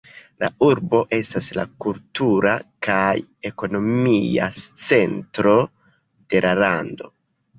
La urbo estas la kultura kaj ekonomia centro de la lando.